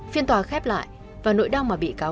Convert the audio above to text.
phiên tòa khép lại và nỗi đau mà bị cáo